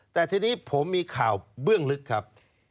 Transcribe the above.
แต่ทีนี้ผมมีข่าวเบื้องลึกครับ